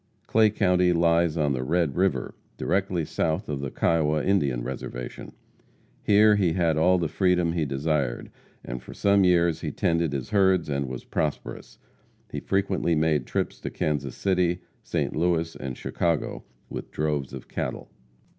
Clay county lies on the Red river, directly south of the Kiowa Indian reservation. Here he had all the freedom he desired, and for some years he tended his herds and was prosperous. He frequently made trips to Kansas City, St. Louis and Chicago with droves of cattle.